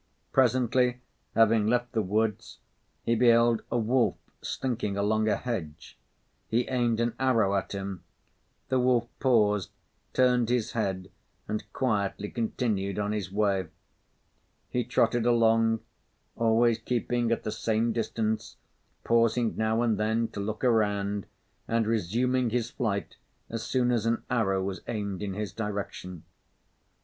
Presently, having left the woods, he beheld a wolf slinking along a hedge. He aimed an arrow at him. The wolf paused, turned his head and quietly continued on his way. He trotted along, always keeping at the same distance, pausing now and then to look around and resuming his flight as soon as an arrow was aimed in his direction.